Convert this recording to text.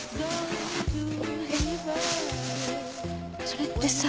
それってさ。